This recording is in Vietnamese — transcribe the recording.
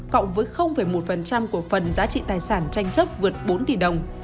cộng với một cổ phần giá trị tài sản tranh chấp vượt bốn tỷ đồng